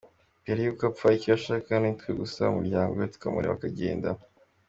Mbere y'uko apfa, icyo yashakaga ni twe gusa, umuryango we, tukamureka akagenda.